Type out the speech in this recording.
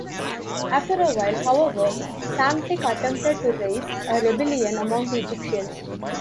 After a while, however, Psamtik attempted to raise a rebellion among the Egyptians.